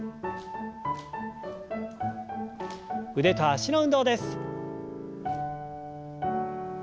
腕と脚の運動です。